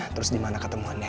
terus dimana ketemuannya